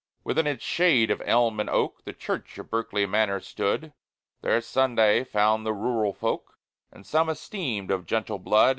Within its shade of elm and oak The church of Berkeley Manor stood; There Sunday found the rural folk, And some esteem'd of gentle blood.